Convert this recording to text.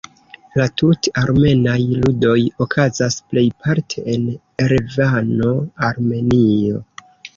La Tut-armenaj Ludoj okazas plejparte en Erevano, Armenio.